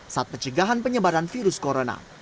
saat pencegahan penyebaran virus corona